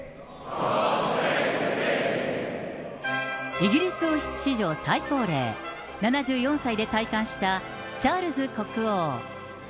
イギリス王室史上最高齢、７４歳で戴冠したチャールズ国王。